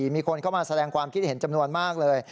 มีคนเข้ามาแสดงความคิดเห็นจำนวนมากเลย